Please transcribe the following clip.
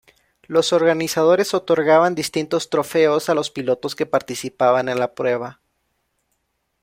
Los organizadores otorgaban distintos trofeos a los pilotos que participaban en la prueba.